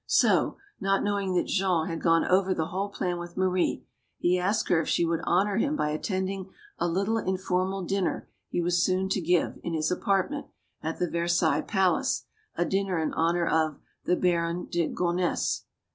So, not knowing that Jean had gone over the vhole plan with Marie, he asked her if she would honor him by attending a little informal dinner he was soon to give, in his apartment, at the Versailles palace; a din ner in honor of "the Baron de Gonesse."